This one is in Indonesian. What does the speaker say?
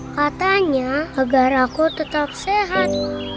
katanya agar aku tetap sehat